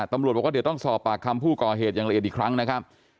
ตำรวจบอกว่าเดี๋ยวต้องสอบปากคำผู้ก่อเหตุอย่างละเอียดอีกครั้งนะครับ